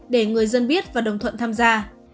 để người dân biết và đồng thuận tham gia